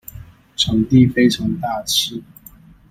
場地非常大氣